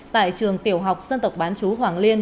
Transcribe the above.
tại trường tiểu học dân tộc bán chú hoàng liên